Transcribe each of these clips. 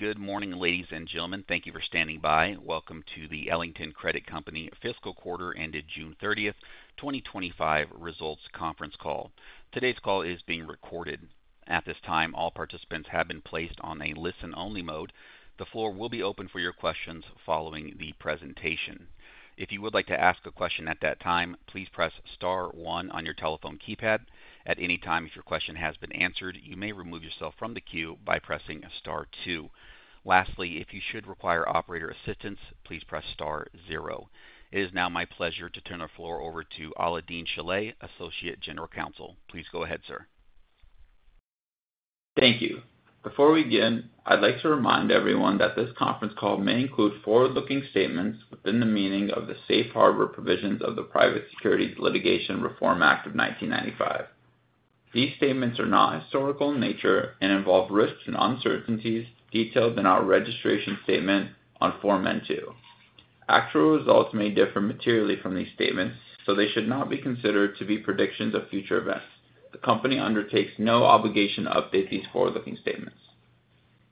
Good morning, ladies and gentlemen. Thank you for standing by. Welcome to the Ellington Credit Company Fiscal Quarter Ended June 30th, 2025 Results Conference Call. Today's call is being recorded. At this time, all participants have been placed on a listen-only mode. The floor will be open for your questions following the presentation. If you would like to ask a question at that time, please press star one on your telephone keypad. At any time, if your question has been answered, you may remove yourself from the queue by pressing star two. Lastly, if you should require operator assistance, please press star zero. It is now my pleasure to turn the floor over to Alaael-Deen Shilleh, Associate General Counsel. Please go ahead, sir. Thank you. Before we begin, I'd like to remind everyone that this conference call may include forward-looking statements within the meaning of the safe harbor provisions of the Private Securities Litigation Reform Act of 1995. These statements are non-historical in nature and involve risks and uncertainties detailed in our registration statement on Form N-2. Actual results may differ materially from these statements, so they should not be considered to be predictions of future events. The company undertakes no obligation to update these forward-looking statements.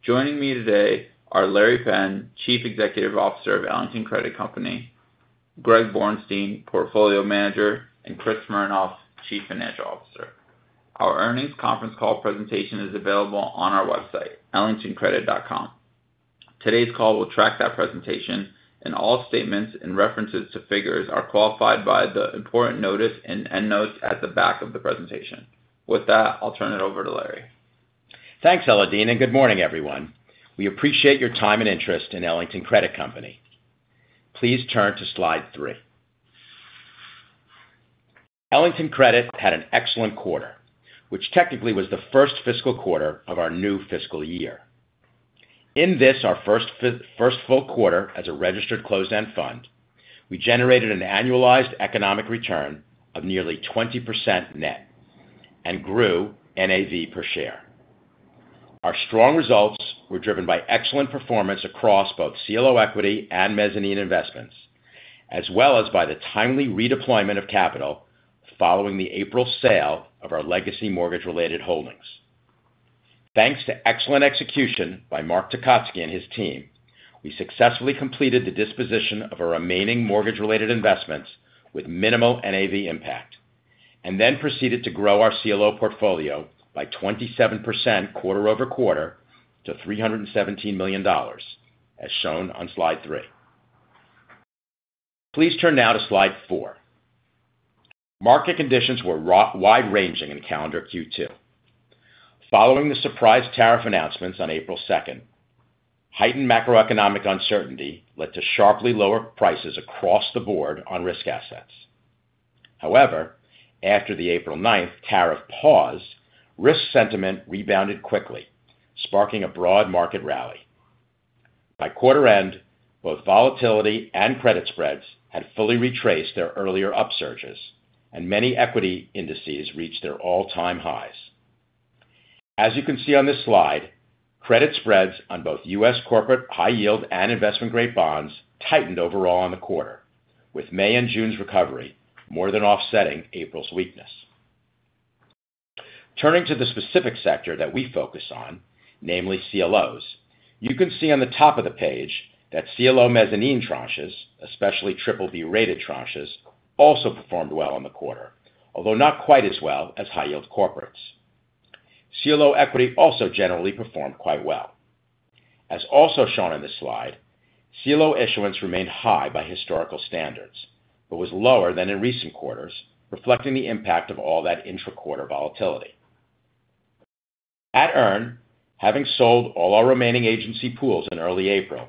Joining me today are Laurence Penn, Chief Executive Officer of Ellington Credit Company, Gregory Borenstein, Portfolio Manager, and Christopher Smernoff, Chief Financial Officer. Our earnings conference call presentation is available on our website, ellingtoncredit.com. Today's call will track that presentation, and all statements and references to figures are qualified by the important notice and end notes at the back of the presentation. With that, I'll turn it over to Laurence. Thanks, Alaael- Deen, and good morning, everyone. We appreciate your time and interest in Ellington Credit Company. Please turn to slide three. Ellington Credit had an excellent quarter, which technically was the first fiscal quarter of our new fiscal year. In this, our first full quarter as a registered closed-end fund, we generated an annualized economic return of nearly 20% net and grew NAV per share. Our strong results were driven by excellent performance across both CLO equity and mezzanine investments, as well as by the timely redeployment of capital following the April sale of our legacy mortgage-related holdings. Thanks to excellent execution by Mark Tecotzky and his team, we successfully completed the disposition of our remaining mortgage-related investments with minimal NAV impact, and then proceeded to grow our CLO portfolio by 27% quarter-over-quarter to $317 million, as shown on slide three. Please turn now to slide four. Market conditions were wide-ranging in calendar Q2. Following the surprise tariff announcements on April 2, heightened macroeconomic uncertainty led to sharply lower prices across the board on risk assets. However, after the April 9th tariff pause, risk sentiment rebounded quickly, sparking a broad market rally. By quarter end, both volatility and credit spreads had fully retraced their earlier upsurges, and many equity indices reached their all-time highs. As you can see on this slide, credit spreads on both U.S. corporate high-yield and investment-grade bonds tightened overall in the quarter, with May and June's recovery more than offsetting April's weakness. Turning to the specific sector that we focus on, namely CLOs, you can see on the top of the page that CLO mezzanine tranches, especially triple B rated tranches, also performed well in the quarter, although not quite as well as high-yield corporates. CLO equity also generally performed quite well. As also shown on this slide, CLO issuance remained high by historical standards, but was lower than in recent quarters, reflecting the impact of all that intra-quarter volatility. At EARN, having sold all our remaining agency pools in early April,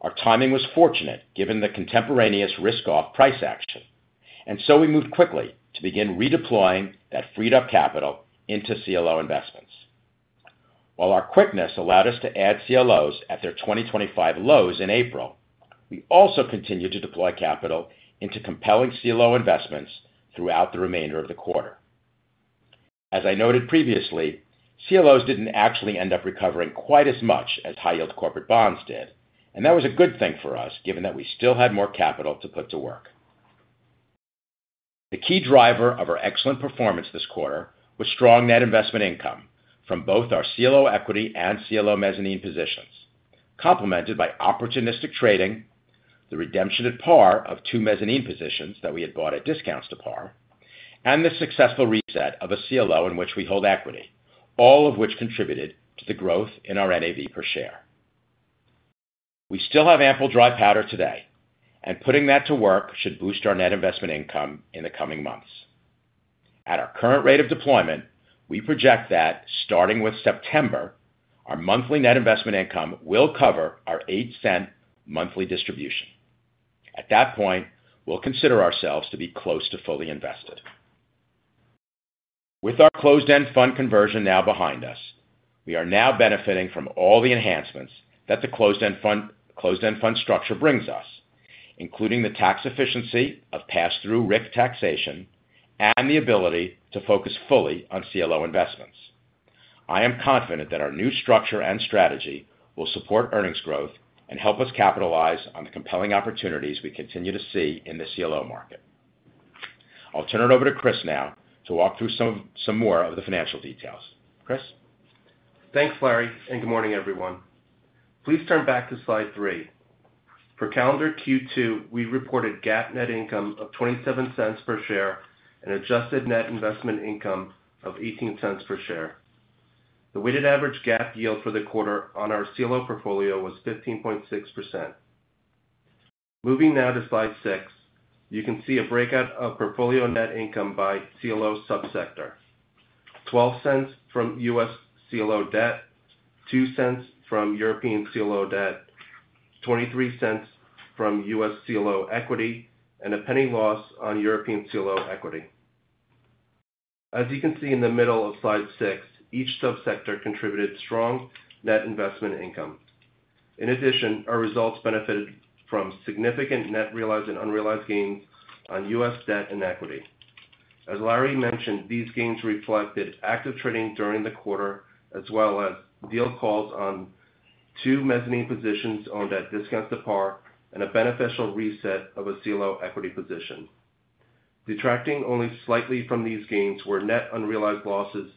our timing was fortunate given the contemporaneous risk-off price action, and we moved quickly to begin redeploying that freed-up capital into CLO investments. While our quickness allowed us to add CLOs at their 2025 lows in April, we also continued to deploy capital into compelling CLO investments throughout the remainder of the quarter. As I noted previously, CLOs didn't actually end up recovering quite as much as high-yield corporate bonds did, and that was a good thing for us given that we still had more capital to put to work. The key driver of our excellent performance this quarter was strong net investment income from both our CLO equity and CLO mezzanine positions, complemented by opportunistic trading, the redemption at par of two mezzanine positions that we had bought at discounts to par, and the successful reset of a CLO in which we hold equity, all of which contributed to the growth in our NAV per share. We still have ample dry powder today, and putting that to work should boost our net investment income in the coming months. At our current rate of deployment, we project that starting with September, our monthly net investment income will cover our $0.08 monthly distribution. At that point, we'll consider ourselves to be close to fully invested. With our closed-end fund conversion now behind us, we are now benefiting from all the enhancements that the closed-end fund structure brings us, including the tax efficiency of pass-through RIC taxation and the ability to focus fully on CLO investments. I am confident that our new structure and strategy will support earnings growth and help us capitalize on the compelling opportunities we continue to see in the CLO market. I'll turn it over to Chris now to walk through some more of the financial details. Chris? Thanks, Laurence, and good morning, everyone. Please turn back to slide three. For calendar Q2, we reported GAAP net income of $0.27 per share and adjusted net investment income of $0.18 per share. The weighted average GAAP yield for the quarter on our CLO portfolio was 15.6%. Moving now to slide six, you can see a breakout of portfolio net income by CLO subsector. $0.12 from U.S. CLO debt, $0.02 from European CLO debt, $0.23 from U.S. CLO equity, and a $0.01 loss on European CLO equity. As you can see in the middle of slide six, each subsector contributed strong net investment income. In addition, our results benefited from significant net realized and unrealized gains on U.S. debt and equity. As Larry mentioned, these gains reflected active trading during the quarter, as well as deal calls on two mezzanine positions owned at discounts to par and a beneficial reset of a CLO equity position. Detracting only slightly from these gains were net unrealized losses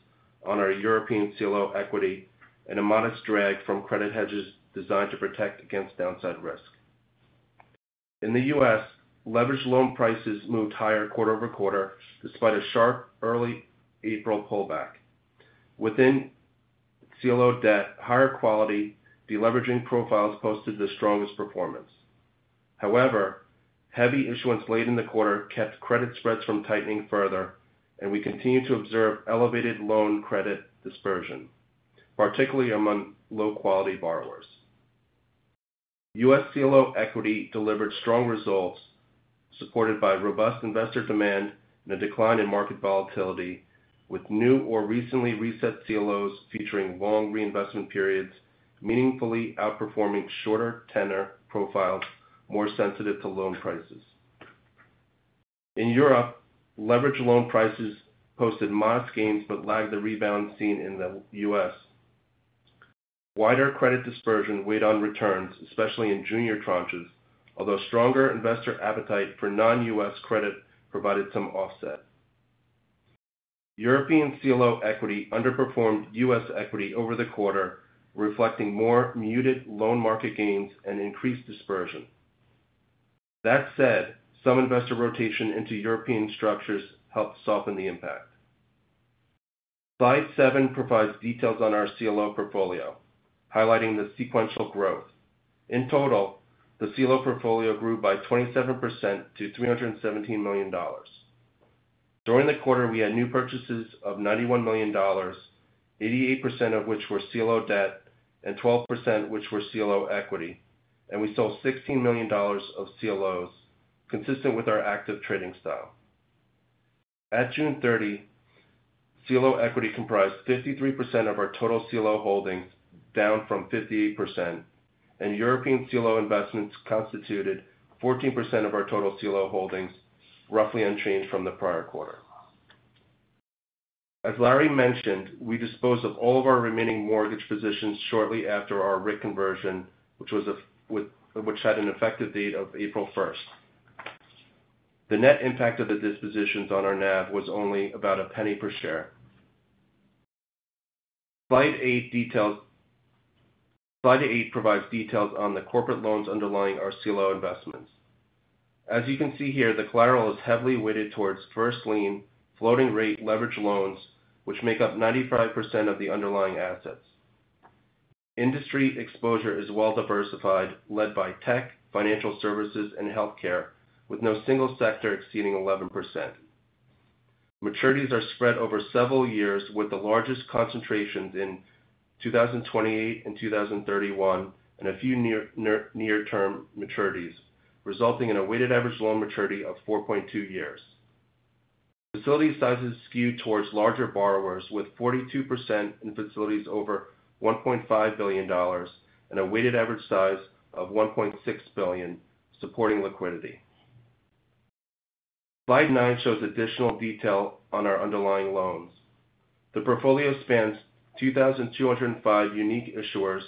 on our European CLO equity and a modest drag from credit hedges designed to protect against downside risk. In the U.S., leveraged loan prices moved higher quarter-over-quarter despite a sharp early April pullback. Within CLO debt, higher quality deleveraging profiles posted the strongest performance. However, heavy issuance late in the quarter kept credit spreads from tightening further, and we continue to observe elevated loan credit dispersion, particularly among low-quality borrowers. U.S. CLO equity delivered strong results, supported by robust investor demand and a decline in market volatility, with new or recently reset CLOs featuring long reinvestment periods meaningfully outperforming shorter tenor profiles more sensitive to loan prices. In Europe, leveraged loan prices posted modest gains but lagged the rebound seen in the U.S. Wider credit dispersion weighed on returns, especially in junior tranches, although stronger investor appetite for non-U.S. credit provided some offset. European CLO equity underperformed U.S. equity over-the-quarter, reflecting more muted loan market gains and increased dispersion. That said, some investor rotation into European structures helped soften the impact. Slide seven provides details on our CLO portfolio, highlighting the sequential growth. In total, the CLO portfolio grew by 27% to $317 million. During the quarter, we had new purchases of $91 million, 88% of which were CLO debt and 12% of which were CLO equity, and we sold $16 million of CLOs, consistent with our active trading style. At June 30th, CLO equity comprised 53% of our total CLO holdings, down from 58%, and European CLO investments constituted 14% of our total CLO holdings, roughly unchanged from the prior quarter. As Larry mentioned, we disposed of all of our remaining mortgage positions shortly after our RIC conversion, which had an effective date of April 1st. The net impact of the dispositions on our NAV was only about $0.01 per share. Slide eight provides details on the corporate loans underlying our CLO investments. As you can see here, the collateral is heavily weighted towards first lien floating rate leveraged loans, which make up 95% of the underlying assets. Industry exposure is well-diversified, led by tech, financial services, and healthcare, with no single sector exceeding 11%. Maturities are spread over several years, with the largest concentrations in 2028 and 2031 and a few near-term maturities, resulting in a weighted average loan maturity of 4.2 years. Facility sizes skew towards larger borrowers, with 42% in facilities over $1.5 billion and a weighted average size of $1.6 billion supporting liquidity. Slide nine shows additional detail on our underlying loans. The portfolio spans 2,205 unique issuers,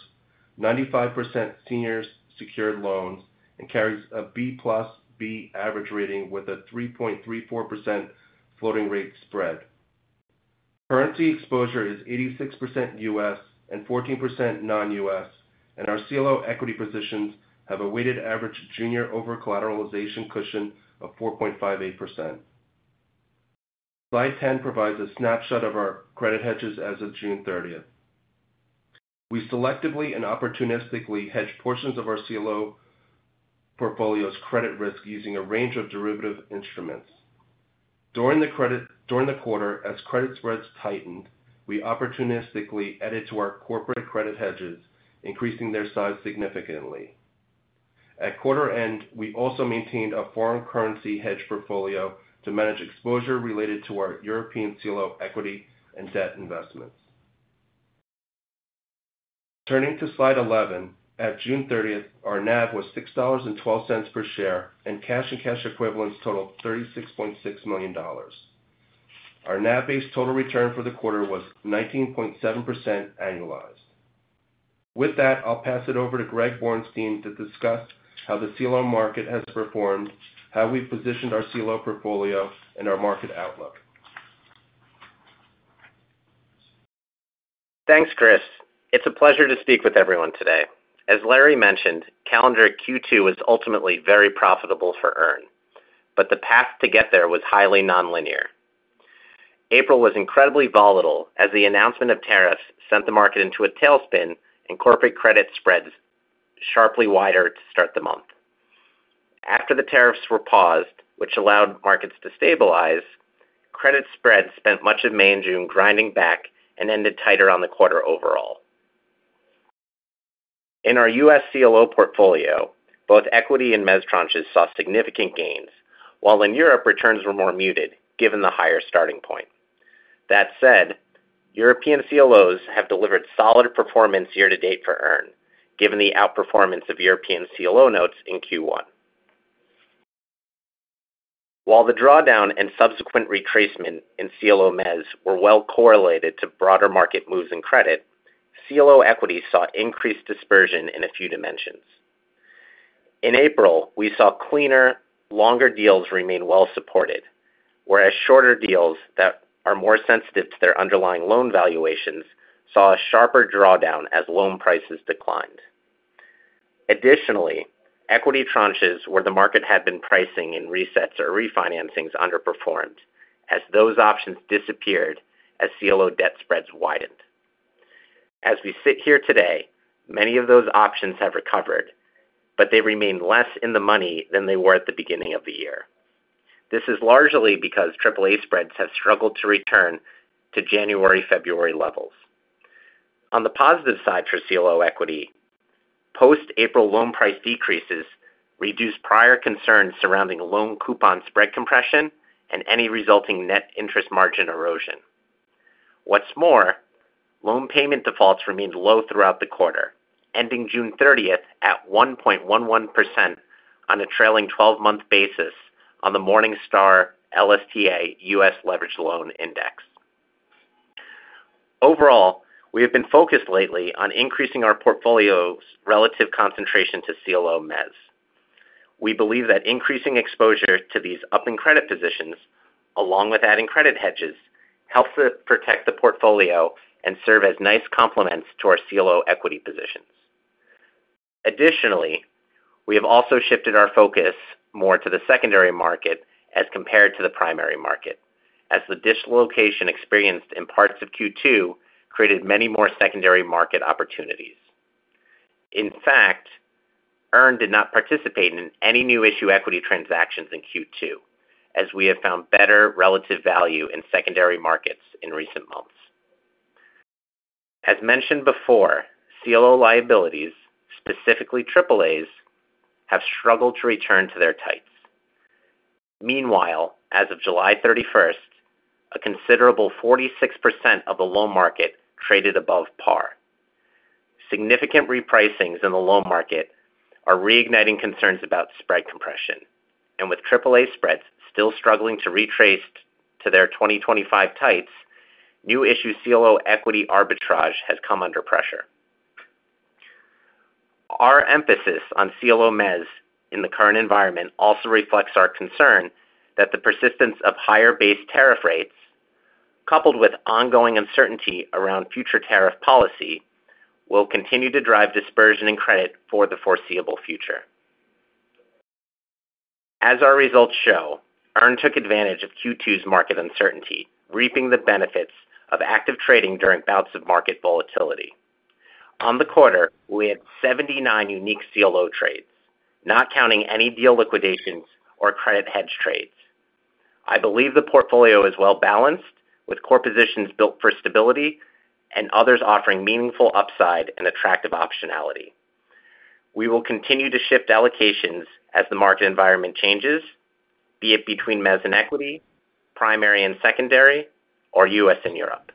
95% senior secured loans, and carries a B+ B average rating with a 3.34% floating rate spread. Currency exposure is 86% U.S. and 14% non-U.S. Our CLO equity positions have a weighted average junior over collateralization cushion of 4.58%. Slide 10 provides a snapshot of our credit hedges as of June 30th. We selectively and opportunistically hedge portions of our CLO portfolio's credit risk using a range of derivative instruments. During the quarter, as credit spreads tightened, we opportunistically added to our corporate credit hedges, increasing their size significantly. At quarter end, we also maintained a foreign currency hedge portfolio to manage exposure related to our European CLO equity and debt investments. Turning to slide 11, at June 30th, our NAV was $6.12 per share, and cash and cash equivalents totaled $36.6 million. Our NAV-based total return for the quarter was 19.7% annualized. With that, I'll pass it over to Gregory Borenstein to discuss how the CLO market has performed, how we've positioned our CLO portfolio, and our market outlook. Thanks, Chris. It's a pleasure to speak with everyone today. As Larry mentioned, calendar Q2 was ultimately very profitable for EARN, but the path to get there was highly nonlinear. April was incredibly volatile as the announcement of tariffs sent the market into a tailspin, and corporate credit spreads sharply wider to start the month. After the tariffs were paused, which allowed markets to stabilize, credit spreads spent much of May and June grinding back and ended tighter on the quarter overall. In our U.S. CLO portfolio, both equity and mezzanine tranches saw significant gains, while in Europe returns were more muted given the higher starting point. That said, European CLOs have delivered solid performance year to date for EARN, given the outperformance of European CLO notes in Q1. While the drawdown and subsequent retracement in CLO mezzanine were well correlated to broader market moves in credit, CLO equity saw increased dispersion in a few dimensions. In April, we saw cleaner, longer deals remain well supported, whereas shorter deals that are more sensitive to their underlying loan valuations saw a sharper drawdown as loan prices declined. Additionally, equity tranches where the market had been pricing in resets or re-financings underperformed as those options disappeared as CLO debt spreads widened. As we sit here today, many of those options have recovered, but they remain less in the money than they were at the beginning of the year. This is largely because AAA spreads have struggled to return to January-February levels. On the positive side for CLO equity, post-April loan price decreases reduced prior concerns surrounding loan coupon spread compression and any resulting net interest margin erosion. What's more, loan payment defaults remained low throughout the quarter, ending June 30th at 1.11% on a trailing 12-month basis on the Morningstar LSTA U.S. leveraged loan index. Overall, we have been focused lately on increasing our portfolio's relative concentration to CLO mezzanine. We believe that increasing exposure to these up in credit positions, along with adding credit hedges, helps to protect the portfolio and serve as nice complements to our CLO equity positions. Additionally, we have also shifted our focus more to the secondary market as compared to the primary market, as the dislocation experienced in parts of Q2 created many more secondary market opportunities. In fact, Ellington did not participate in any new issue equity transactions in Q2, as we have found better relative value in secondary markets in recent months. As mentioned before, CLO liabilities, specifically AAAs, have struggled to return to their tights. Meanwhile, as of July 31st, a considerable 46% of the loan market traded above par. Significant re-pricings in the loan market are reigniting concerns about spread compression, and with AAA spreads still struggling to retrace to their 2025 tights, new issue CLO equity arbitrage has come under pressure. Our emphasis on CLO mezzanine investments in the current environment also reflects our concern that the persistence of higher base tariff rates, coupled with ongoing uncertainty around future tariff policy, will continue to drive dispersion in credit for the foreseeable future. As our results show, Ellington took advantage of Q2's market uncertainty, reaping the benefits of active trading during bouts of market volatility. On the quarter, we had 79 unique CLO trades, not counting any deal liquidations or credit hedge trades. I believe the portfolio is well balanced, with core positions built for stability and others offering meaningful upside and attractive optionality. We will continue to shift allocations as the market environment changes, be it between mezzanine investments and equity, primary and secondary, or U.S. and Europe.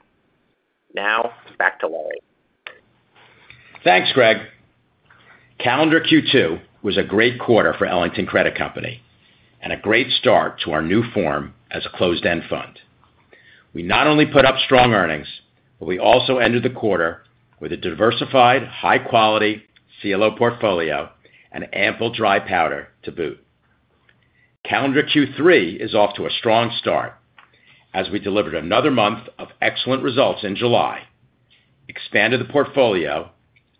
Now back to Laurence. Thanks, Greg. Calendar Q2 was a great quarter for Ellington Credit Company and a great start to our new form as a closed-end fund. We not only put up strong earnings, but we also ended the quarter with a diversified, high-quality CLO portfolio and ample dry powder to boot. Calendar Q3 is off to a strong start, as we delivered another month of excellent results in July, expanded the portfolio,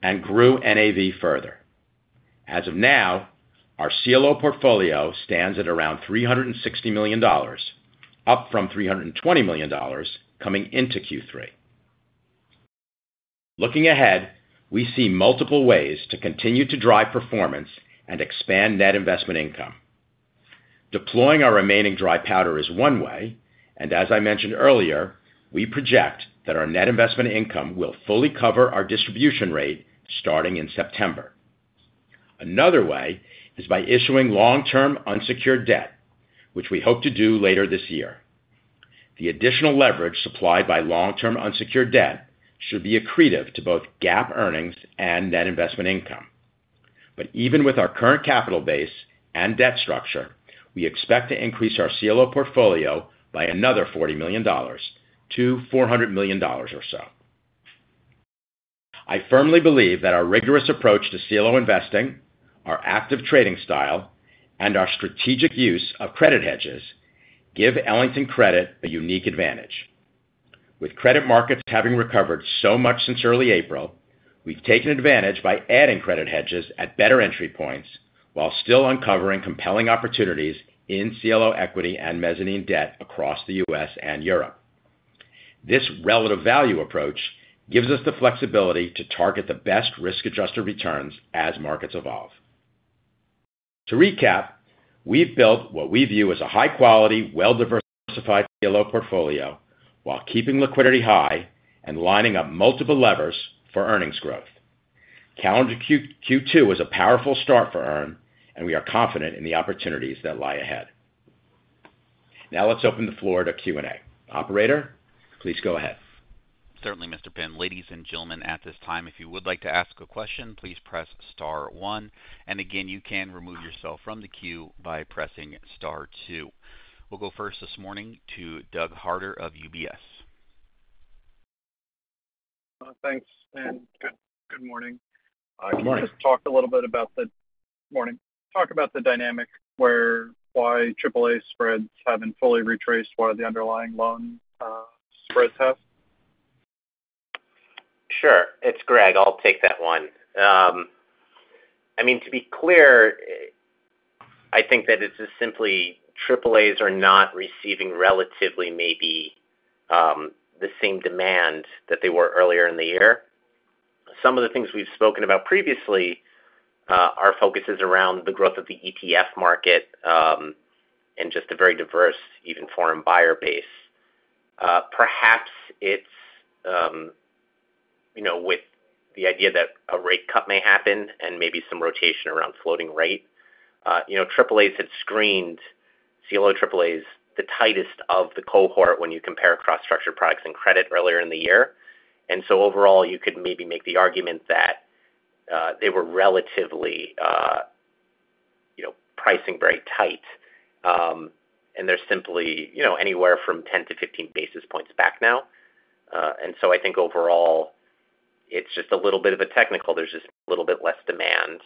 and grew NAV further. As of now, our CLO portfolio stands at around $360 million, up from $320 million coming into Q3. Looking ahead, we see multiple ways to continue to drive performance and expand net investment income. Deploying our remaining dry powder is one way, and as I mentioned earlier, we project that our net investment income will fully cover our distribution rate starting in September. Another way is by issuing long-term unsecured debt, which we hope to do later this year. The additional leverage supplied by long-term unsecured debt should be accretive to both GAAP earnings and net investment income. Even with our current capital base and debt structure, we expect to increase our CLO portfolio by another $40 million-$400 million or so. I firmly believe that our rigorous approach to CLO investing, our active trading style, and our strategic use of credit hedges give Ellington Credit a unique advantage. With credit markets having recovered so much since early April, we've taken advantage by adding credit hedges at better entry points while still uncovering compelling opportunities in CLO equity and mezzanine debt across the U.S. and Europe. This relative value approach gives us the flexibility to target the best risk-adjusted returns as markets evolve. To recap, we've built what we view as a high-quality, well-diversified CLO portfolio while keeping liquidity high and lining up multiple levers for earnings growth. Calendar Q2 is a powerful start for EARN, and we are confident in the opportunities that lie ahead. Now let's open the floor to Q&A. Operator, please go ahead. Certainly, Mr. Penn. Ladies and gentlemen, at this time, if you would like to ask a question, please press star one. You can remove yourself from the queue by pressing star two. We'll go first this morning to Douglas Harter of UBS. Thanks, and good morning. Good morning. I just talked a little bit about the morning. Talk about the dynamic where why AAA spreads haven't fully retraced, why the underlying loan spreads have. Sure. It's Greg. I'll take that one. To be clear, I think that it's just simply AAAs are not receiving relatively maybe the same demand that they were earlier in the year. Some of the things we've spoken about previously, our focus is around the growth of the ETF market and just a very diverse, even foreign buyer base. Perhaps it's with the idea that a rate cut may happen and maybe some rotation around floating rate. AAAs had screened CLO AAAs the tightest of the cohort when you compare cross-structured products and credit earlier in the year. Overall, you could maybe make the argument that they were relatively pricing very tight. They're simply anywhere from 10 to 15 basis points back now. I think overall, it's just a little bit of a technical. There's just a little bit less demand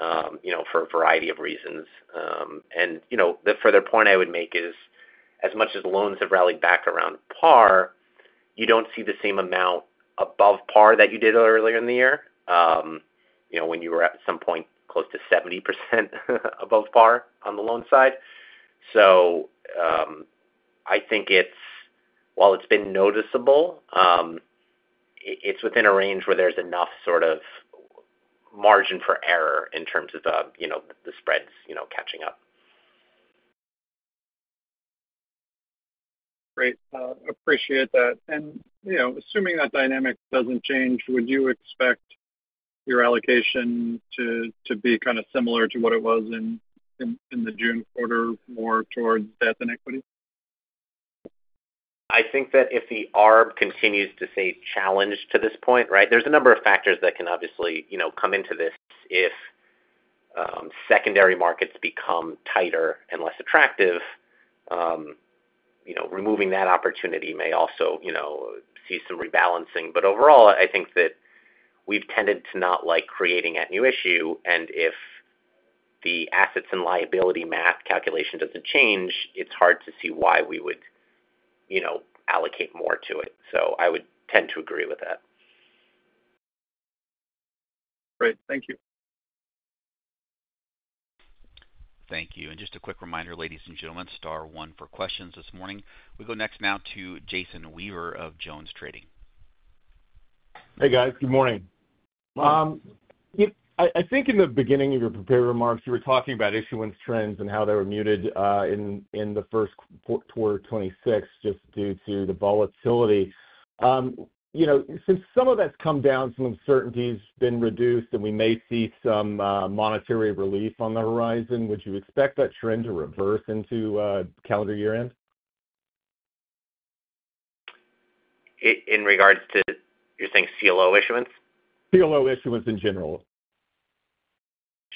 for a variety of reasons. The further point I would make is as much as loans have rallied back around par, you don't see the same amount above par that you did earlier in the year, when you were at some point close to 70% above par on the loan side. I think it's, while it's been noticeable, it's within a range where there's enough sort of margin for error in terms of the spreads catching up. Great. Appreciate that. Assuming that dynamic doesn't change, would you expect your allocation to be kind of similar to what it was in the June quarter, more toward debt and equity? I think that if the ARB continues to stay challenged to this point, there are a number of factors that can obviously come into this. If secondary markets become tighter and less attractive, removing that opportunity may also see some rebalancing. Overall, I think that we've tended to not like creating at new issue. If the assets and liability math calculation doesn't change, it's hard to see why we would allocate more to it. I would tend to agree with that. Great, thank you. Thank you. Just a quick reminder, ladies and gentlemen, star one for questions this morning. We go next now to Jason Weaver of JonesTrading. Hey, guys. Good morning. I think in the beginning of your prepared remarks, you were talking about issuance trends and how they were muted in the first quarter of 2026 just due to the volatility. Since some of that's come down, some uncertainty's been reduced, and we may see some monetary relief on the horizon, would you expect that trend to reverse into calendar year end? In regards to, you're saying CLO issuance? CLO issuance in general.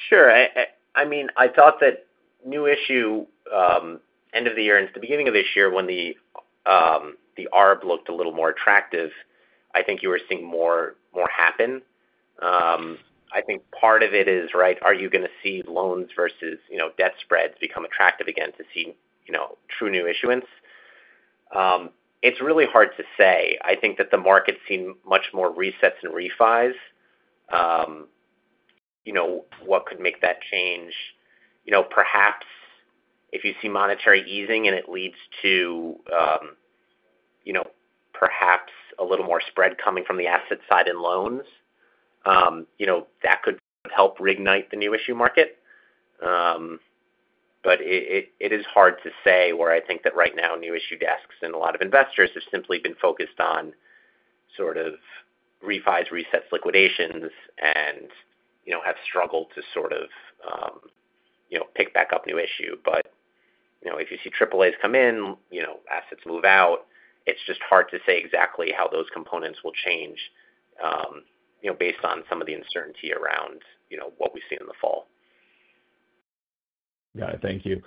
Sure. I thought that new issue, end of the year and the beginning of this year, when the ARB looked a little more attractive, you were seeing more happen. Part of it is, right, are you going to see loans versus debt spreads become attractive again to see true new issuance? It's really hard to say. The market's seen much more resets and refis. What could make that change? Perhaps if you see monetary easing and it leads to perhaps a little more spread coming from the asset side and loans, that could help reignite the new issue market. It is hard to say where I think that right now new issue desks and a lot of investors have simply been focused on refis, resets, liquidations, and have struggled to pick back up new issue. If you see AAAs come in, assets move out, it's just hard to say exactly how those components will change based on some of the uncertainty around what we've seen in the fall. Got it. Thank you.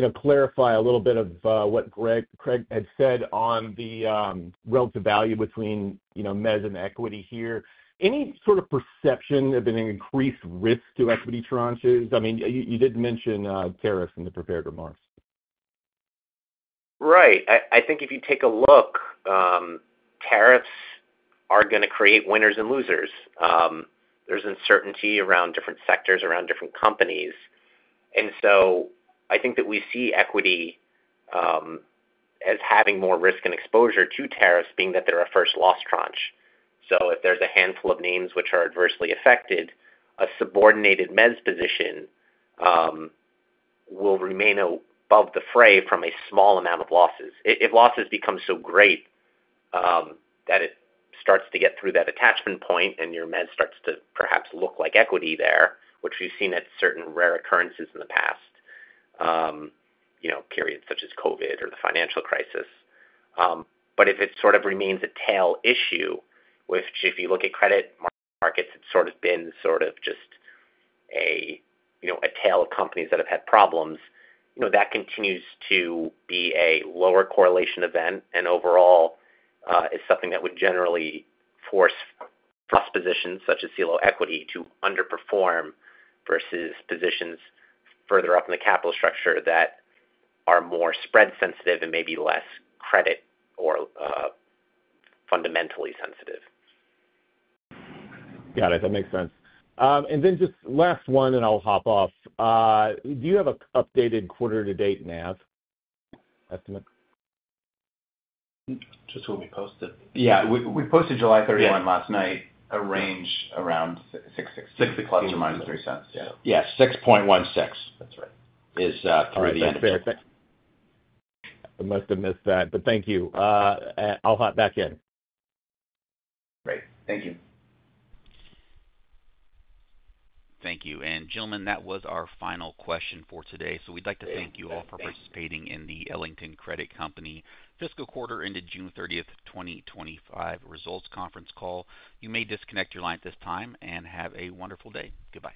To clarify a little bit of what Gregory Borenstein had said on the relative value between mezzanine investments and CLO equity here, any sort of perception of an increased risk to equity tranches? You did mention tariff announcements in the prepared remarks. Right. I think if you take a look, tariffs are going to create winners and losers. There's uncertainty around different sectors, around different companies. I think that we see equity as having more risk and exposure to tariffs, being that they're a first loss tranche. If there's a handful of names which are adversely affected, a subordinated mezz position will remain above the fray from a small amount of losses. If losses become so great that it starts to get through that attachment point and your mezz starts to perhaps look like equity there, which we've seen at certain rare occurrences in the past, periods such as COVID or the financial crisis. If it sort of remains a tail issue, which if you look at credit markets, it's sort of been just a tail of companies that have had problems, that continues to be a lower correlation event and overall is something that would generally force us positions such as CLO equity to underperform versus positions further up in the capital structure that are more spread sensitive and maybe less credit or fundamentally sensitive. Got it. That makes sense. Just last one, I'll hop off. Do you have an updated quarter-to-date NAV estimate? Just when we posted? Yeah, we posted July 31st last night. A range around $6.16+ or -$0.03. Yeah. 6.16. That's right. Is through the end of the year. I must have missed that, but thank you. I'll hop back in. Great, thank you. Thank you. Gentlemen, that was our final question for today. We would like to thank you all for participating in the Ellington Credit Company Fiscal Quarter Ended June 30th, 2025 Results Conference Call. You may disconnect your line at this time and have a wonderful day. Goodbye.